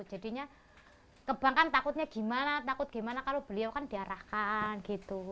jadinya kebankan takutnya gimana takut gimana kalau beliau kan diarahkan gitu